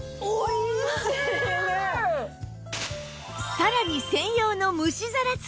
さらに専用の蒸し皿付き